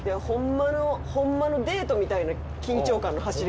ホンマのデートみたいな緊張感の走り方。